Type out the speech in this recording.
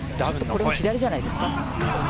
これ左じゃないですか。